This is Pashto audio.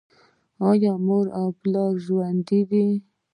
ایا مور او پلار مو ژوندي دي؟